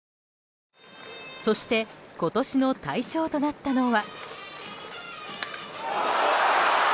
そして今年の大賞となったのは。